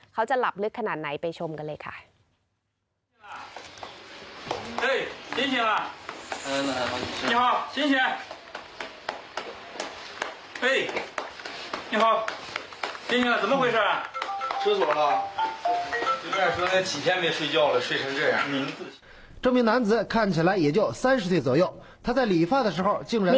เขาจะหลับลึกขนาดไหนไปชมกันเลยค่ะ